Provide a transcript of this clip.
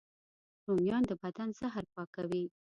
رومیان د بدن زهر پاکوي